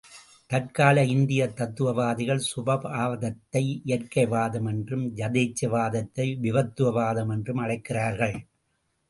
தற்கால இந்தியத் தத்துவவாதிகள் சுபாவவாதத்தை இயற்கைவாதம் என்றும், யதேச்சை வாதத்தை விபத்துவாதமென்றும் அழைக்கிறார்கள்.